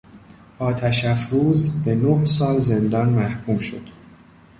آتش افروز به نه سال زندان محکوم شد.